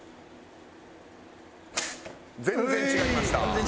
全然違いました。